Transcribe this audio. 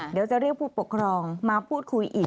เดี๋ยวจะเรียกผู้ปกครองมาพูดคุยอีก